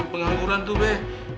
pengangguran tuh beh